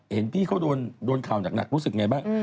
เห็นพี่เขาโดนข่าวหนักรู้สึกไงบ้าง